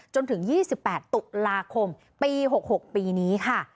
จนถึง๒๘ตุลาคมปี๖๖ปีนี้ค่ะ